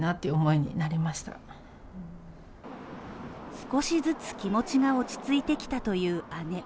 少しずつ気持ちが落ち着いてきたという姉。